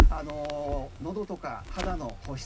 のどとか肌の保湿